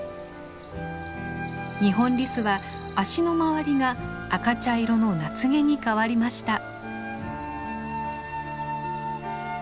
ニホンリスは足の周りが赤茶色の夏毛に変わりました。